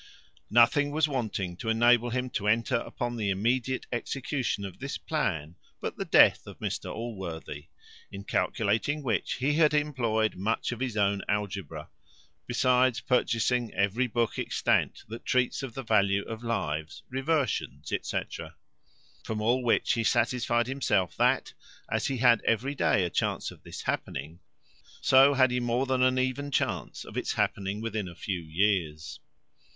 Nothing was wanting to enable him to enter upon the immediate execution of this plan, but the death of Mr Allworthy; in calculating which he had employed much of his own algebra, besides purchasing every book extant that treats of the value of lives, reversions, &c. From all which he satisfied himself, that as he had every day a chance of this happening, so had he more than an even chance of its happening within a few years.